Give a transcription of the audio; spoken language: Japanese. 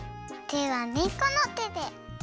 てはねこのてで。